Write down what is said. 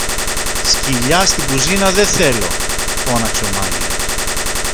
Σκυλιά στην κουζίνα δε θέλω! φώναξε ο μάγειρας